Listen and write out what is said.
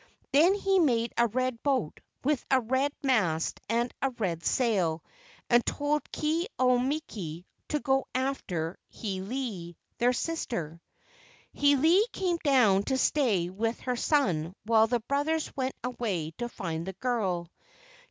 Then he made a red boat with a red mast and a red sail and told Ke au miki to go after Hiilei, their sister. Hiilei came down to stay with her son while the brothers went away to find the girl.